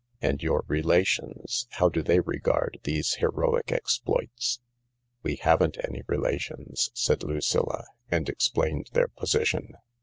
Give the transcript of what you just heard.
And your relations, how do they regard these heroic exploits ?"" We haven't any relations," said Lucilla, and explained their position.